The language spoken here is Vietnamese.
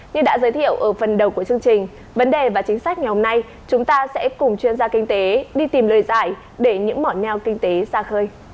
như đã giới thiệu ở phần đầu của chương trình vấn đề và chính sách ngày hôm nay chúng ta sẽ cùng chuyên gia kinh tế đi tìm lời giải để những mỏ nho kinh tế xa khơi